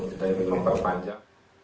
kita ingin memperpanjang